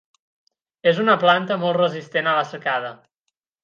És una planta molt resistent a la secada.